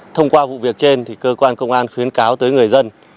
thông qua vụ việc trên thì cơ quan công an khuyến cáo tới người dân